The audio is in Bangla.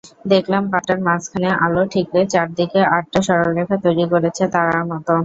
দেখলাম পাথরটার মাঝখানে আলো ঠিকরে চারদিকে আটটা সরলরেখা তৈরি করেছে, তারার মতো।